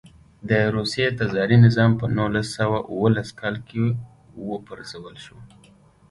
د روسیې تزاري نظام په نولس سوه اوولس کال کې و پرځول شو.